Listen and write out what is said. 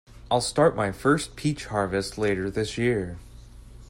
I'll start my first peach harvest later this year.